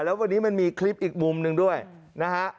แล้ววันนี้มันมีคลิปอีกมุมหนึ่งด้วยนะฮะ